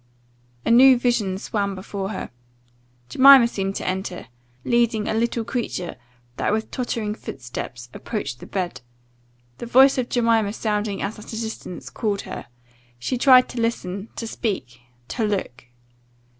"A new vision swam before her. Jemima seemed to enter leading a little creature, that, with tottering footsteps, approached the bed. The voice of Jemima sounding as at a distance, called her she tried to listen, to speak, to look!